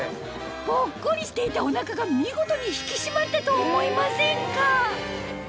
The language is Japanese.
ぽっこりしていたお腹が見事に引き締まったと思いませんか？